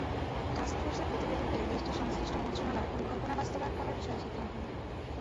টাস্কফোর্সের প্রতিবেদন পেলে দেশটির সংশ্লিষ্ট মন্ত্রণালয় পরিকল্পনা বাস্তবায়ন করার বিষয়ে সিদ্ধান্ত নেবে।